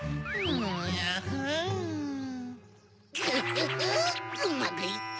うまくいった！